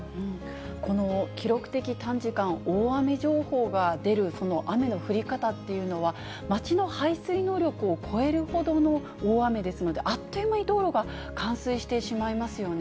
この記録的短時間大雨情報が出る、その雨の降り方っていうのは、町の排水能力を超えるほどの大雨ですので、あっという間に道路が冠水してしまいますよね。